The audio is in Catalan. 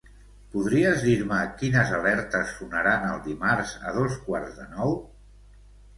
Podries dir-me quines alertes sonaran el dimarts a dos quarts de nou?